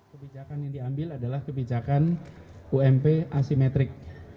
kebijakan yang diambil adalah kebijakan ump asimetrik